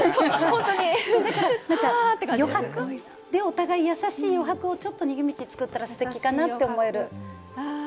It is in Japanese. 余白でお互い優しい余白をちょっと逃げ道、作ったらステキかなと思える。